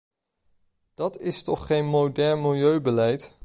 Dat is toch geen modern milieubeleid.